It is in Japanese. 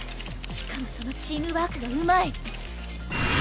しかもそのチームワークがうまい！